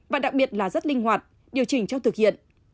và đặc biệt là rất linh hoạt điều chỉnh trong thực hiện